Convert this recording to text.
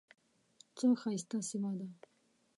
څه ښایسته سیمه ده .